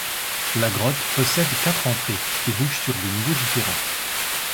La grotte possède quatre entrées qui débouchent sur des niveaux différents.